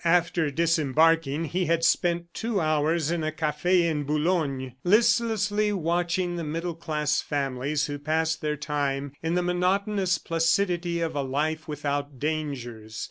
After disembarking he had spent two hours in a cafe in Boulogne, listlessly watching the middle class families who passed their time in the monotonous placidity of a life without dangers.